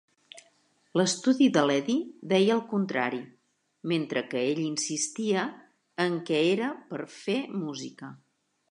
L'estudi de l"Eddie deia el contrari, mentre que ell insistia en que era per fer música.